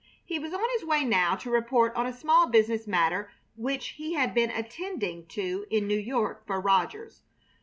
He was on his way now to report on a small business matter which he had been attending to in New York for Rogers.